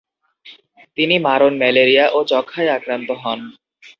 তিনি মারণ ম্যালেরিয়া ও যক্ষ্মায় আক্রান্ত হন।